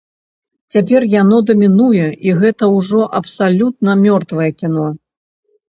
Цяпер яно дамінуе, і гэта ўжо абсалютна мёртвае кіно.